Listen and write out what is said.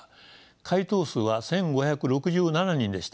回答数は１，５６７人でした。